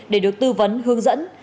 để được tư vấn hướng dẫn